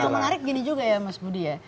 dan yang menarik gini juga ya mas budi ya